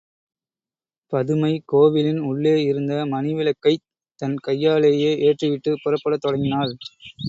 பதுமை கோவிலின் உள்ளே இருந்த மணி விளக்கைத் தன் கையாலேயே ஏற்றிவிட்டுப் புறப்படத் தொடங்கினாள்.